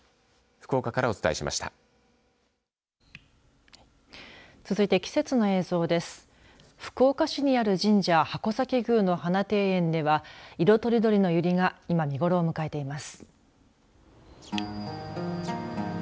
福岡市にある神社筥崎宮の花庭園では色とりどりのユリが今見頃を迎えています。